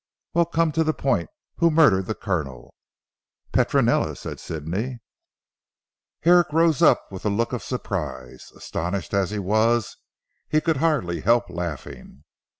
"Well come to the point. Who murdered the Colonel?" "Petronella," said Sidney. Herrick rose up with a look of surprise. Astonished as he was he could hardly help laughing.